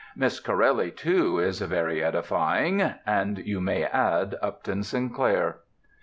Miss Corelli, too, is very edifying. And you may add Upton Sinclair."